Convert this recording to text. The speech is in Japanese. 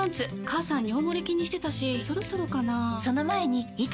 母さん尿モレ気にしてたしそろそろかな菊池）